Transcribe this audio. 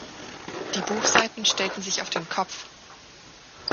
Die Buchseiten stellten sich auf den Kopf.